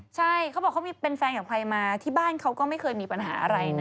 ใช่เขาบอกเขาเป็นแฟนกับใครมาที่บ้านเขาก็ไม่เคยมีปัญหาอะไรนะ